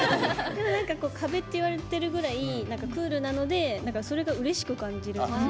壁って言われてるぐらいクールなのでそれがうれしく感じる。